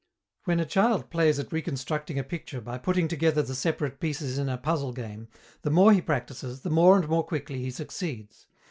_ When a child plays at reconstructing a picture by putting together the separate pieces in a puzzle game, the more he practices, the more and more quickly he succeeds.